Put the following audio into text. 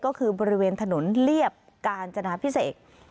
ก็คือบริเวณถนนเรียบกาญจนาพิเศษ